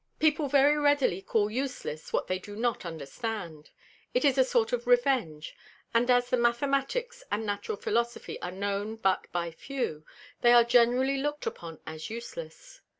People very readily call useless, what they do not understand. It is a sort of Revenge; and as the Mathematicks and Natural Philosophy are known but by few, they are generally look'd upon as useless.